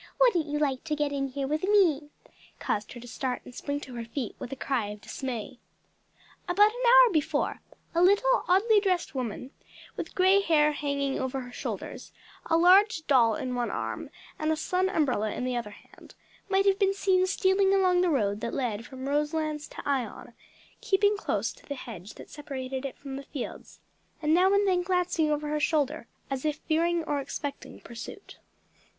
Wouldn't you like to get in here with me!" caused her to start and spring to her feet with a cry of dismay. About an hour before a little, oddly dressed woman, with grey hair hanging over her shoulders, a large doll in one arm and a sun umbrella in the other hand, might have been seen stealing along the road that led from Roselands to Ion, keeping close to the hedge that separated it from the fields, and now and then glancing over her shoulder as if fearing or expecting pursuit.